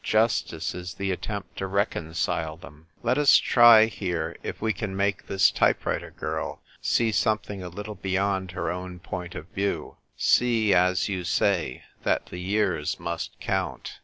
justice is the attempt to reconcile them. Let us try here if we can make this type writer girl see something a little beyond her own point of view — see, as you say, that the years must count.